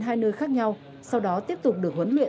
hai nơi khác nhau sau đó tiếp tục được huấn luyện